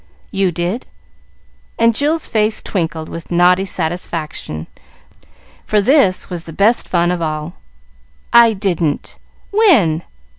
"You did;" and Jill's face twinkled with naughty satisfaction, for this was the best fun of all. "I didn't! When?